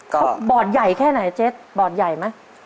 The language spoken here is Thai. เขาบอร์ดใหญ่แค่ไหนเจ๊บอดใหญ่ไหม